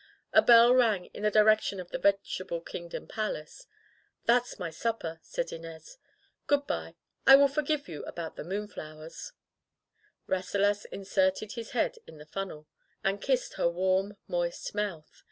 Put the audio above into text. A bell rang in the direction of the Vegetable Kingdom Palace. "That's my supper," said Inez. "Good by. I will forgive you about the moon flowers/' Rasselas inserted his head in the funnel, and kissed her warm, moist mouth.